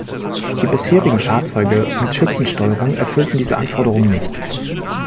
Die bisherigen Fahrzeuge mit Schützensteuerung erfüllten diese Anforderung nicht.